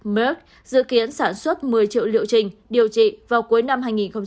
mark dự kiến sản xuất một mươi triệu liệu trình điều trị vào cuối năm hai nghìn hai mươi